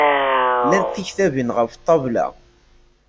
Llant tektabin ɣef ṭṭabla?